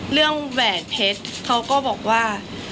แหวนเพชรเขาก็บอกว่า